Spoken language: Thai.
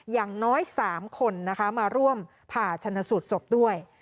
อย่างน้อย๓คนนะคะมาร่วมผ่าชนสูตรศพด้วย